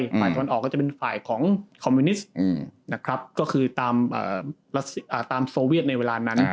ฝ่ายตะวันออกก็จะเป็นฝ่ายของคอมมิวนิสต์นะครับก็คือตามโซเวียตในเวลานั้น